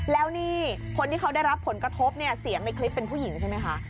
แล้วนี่คนที่เขาได้รับผลกระทบเนี่ยเสียงในคลิปเป็นผู้หญิงใช่ไหมคะ